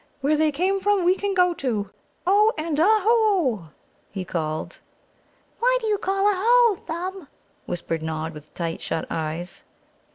Where they came from we can go to. O and Ahôh!" he called. "Why do you call 'Ahôh!' Thumb?" whispered Nod, with tight shut eyes.